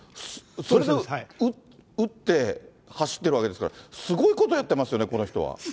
それで打って、走ってるわけですから、すごいことやってますよね、この人は。